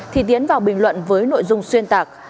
thì tiến vào bình luận với nội dung xuyên tạc